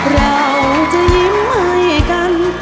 เราจะยิ้มให้กัน